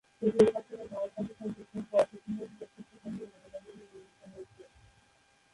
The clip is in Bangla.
এটি একাত্তরের ভারত-পাকিস্তান যুদ্ধের পরে যুদ্ধবন্দীদের সত্য কাহিনী অবলম্বনে নির্মিত হয়েছে।